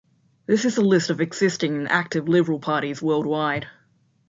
This is a list of existing and active Liberal Parties worldwide.